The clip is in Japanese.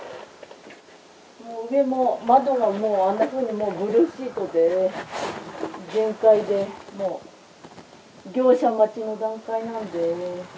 もう、上も窓がもう、あんなふうにブルーシートで全壊で、もう業者待ちの段階なんでね。